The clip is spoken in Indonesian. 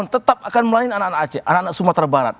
tetap akan melayani anak anak aceh anak anak sumatera barat